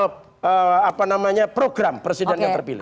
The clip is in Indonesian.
program presiden yang terpilih